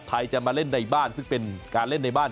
จะมาเล่นในบ้านซึ่งเป็นการเล่นในบ้าน